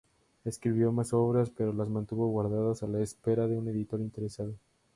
Escribió más obras, pero las mantuvo guardadas a la espera de un editor interesado.